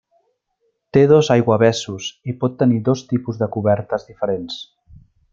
Té dos aiguavessos i pot tenir dos tipus de cobertes diferents.